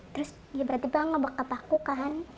terus dia tiba tiba ngebakar kebaku kan